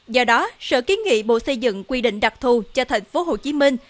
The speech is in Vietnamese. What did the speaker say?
do đó sở kiến nghị bộ xây dựng quy định đặc thù cho thành phố hồ chí minh